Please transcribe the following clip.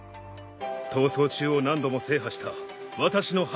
逃走中を何度も制覇した私の判断だ。